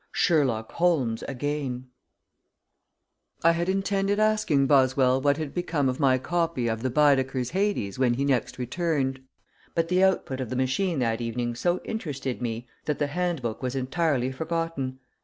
SHERLOCK HOLMES AGAIN I had intended asking Boswell what had become of my copy of the Baedeker's Hades when he next returned, but the output of the machine that evening so interested me that the hand book was entirely forgotten.